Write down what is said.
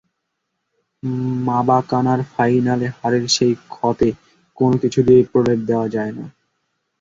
মারাকানার ফাইনালে হারের সেই ক্ষতে কোনো কিছু দিয়েই প্রলেপ দেওয়া যায় না।